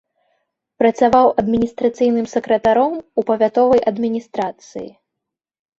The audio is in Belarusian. Працаваў адміністрацыйным сакратаром у павятовай адміністрацыі.